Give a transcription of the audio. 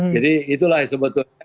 jadi itulah sebetulnya